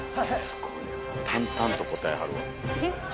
すごいな淡々と答えはるわ。